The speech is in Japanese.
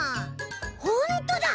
ほんとだ！